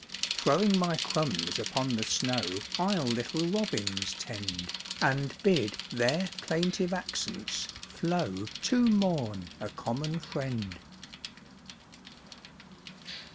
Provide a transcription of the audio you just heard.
HOPE. 17 Throwing my crumbs upon the snow, I'll little Eobins tend, And bid their plaintive accents flow To mourn a common friend.